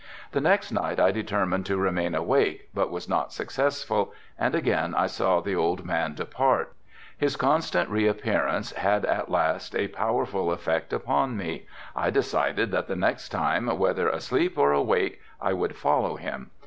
The next night I determined to remain awake but was not successful and again I saw the old man depart. His constant re appearance had at last a powerful effect upon me. I decided that the next time, whether asleep or awake, I would follow him.